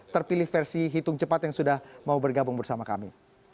terpilih versi hitung cepat yang sudah mau bergabung bersama kami